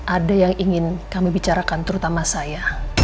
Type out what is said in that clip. ada yang ingin kami bicarakan terutama saya